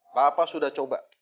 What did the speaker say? bapak sudah coba